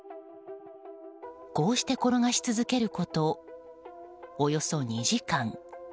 こうして転がし続けることおよそ２時間。